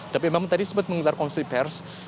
tapi memang tadi sempat menggelar konsul pers